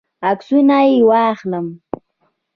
عکسونه یې واخلم.